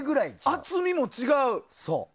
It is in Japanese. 厚みも違う！